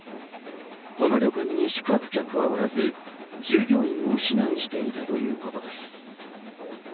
この旅館に宿泊客はおらず、従業員も避難していたということです。